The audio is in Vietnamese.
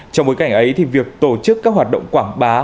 trong bối cảnh ấy thì việc tổ chức các hoạt động quảng bá